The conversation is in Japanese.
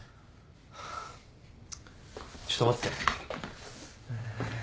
ハァちょっと待ってて。